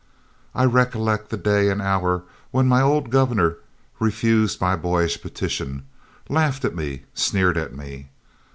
I recollect that day and hour when my old governor refused my boyish petition, laughed at me sneered at me.